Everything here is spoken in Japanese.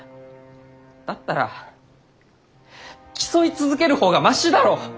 だったら競い続ける方がマシだろう！？